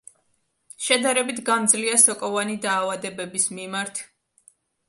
შედარებით გამძლეა სოკოვანი დაავადებების მიმართ.